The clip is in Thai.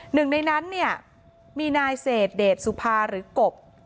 หนึ่งในนั้นเนี่ยมีนายเศษเดชสุภาหรือกบ